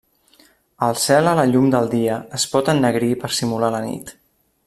El cel a la llum del dia es pot ennegrir per simular la nit.